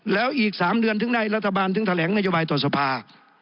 แล้วอีก๓เดือนถึงได้รัฐบาลถึงแถลงนโยบายต่อสภา